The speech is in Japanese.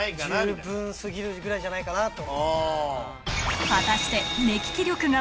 十分過ぎるぐらいじゃないかなと。